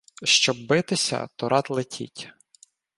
Щоб битися, то рад летіть.